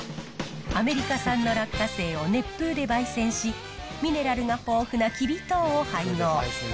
アメリカ産の落花生を熱風でばい煎し、ミネラルの豊富なきび糖を配合。